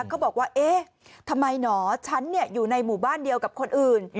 ก็บอกว่าเอ๊ะทำไมหนอฉันอยู่ในหมู่บ้านเดียวกับคนอื่น